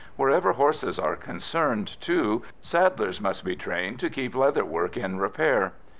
Wherever horses are concerned, too, saddlers must be trained to keep leather work in repair.